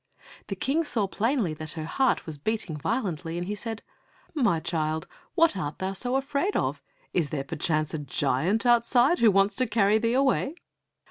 The King saw plainly that her heart was beating violently, and said, "My child, what art thou so afraid of? Is there perchance a giant outside who wants to carry thee away?"